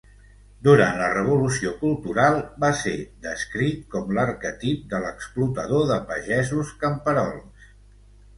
Durant la revolució cultural, va ser descrit com l'arquetip de l'explotador de pagesos camperols.